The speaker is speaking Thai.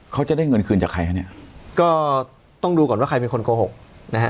เขาจะได้เงินคืนจากใครคะเนี่ยก็ต้องดูก่อนว่าใครเป็นคนโกหกนะฮะ